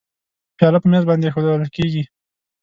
پیاله په میز باندې اېښوول کېږي.